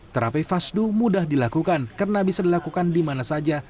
terapi fasdu mudah dilakukan karena bisa dilakukan di mana saja